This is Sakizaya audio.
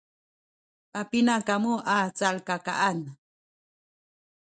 papina kamu a calkakaan?